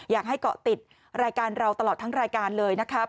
อยากให้เกาะติดรายการเราตลอดทั้งรายการเลยนะครับ